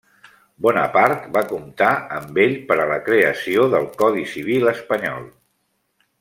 Bonaparte va comptar amb ell per a la creació del Codi Civil espanyol.